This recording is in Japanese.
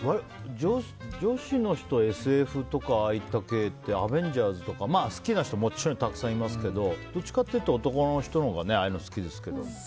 女子の人、ＳＦとかああいった系って「アベンジャーズ」とか好きな人もちろんたくさんいますけどどっちかというと男の人のほうがああいうの好きですけど。